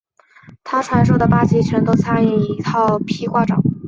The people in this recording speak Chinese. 他传授的八极拳都参以一套劈挂掌。